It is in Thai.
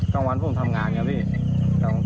กลางวันผมทำงานอย่างนี้พี่